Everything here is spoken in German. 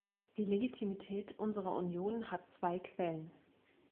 Die Legitimität unserer Union hat zwei Quellen.